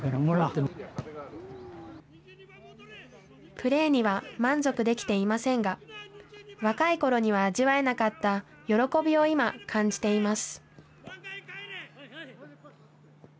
プレーには満足できていませんが、若いころには味わえなかった喜びを今、感じています。